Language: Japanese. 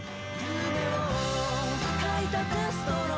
「夢を描いたテストの裏」